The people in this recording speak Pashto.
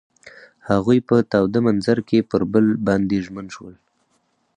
هغوی په تاوده منظر کې پر بل باندې ژمن شول.